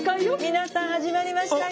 皆さん始まりましたよ！